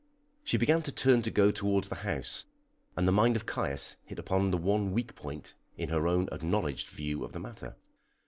She began to turn to go towards the house, and the mind of Caius hit upon the one weak point in her own acknowledged view of the matter.